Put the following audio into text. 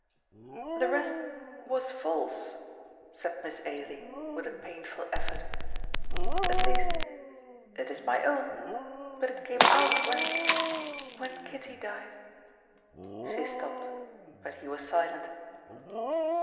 "The rest was false," said Miss Ailie, with a painful effort; "at least, it is my own, but it came out when when Kitty died." She stopped, but he was silent.